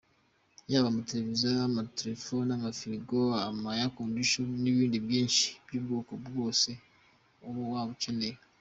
Yaba, amatelevision, amatelefoni, amafiligo, ama Airconditioners, n’ibindi byinshi by’ubwoko bwose waba ukeneye.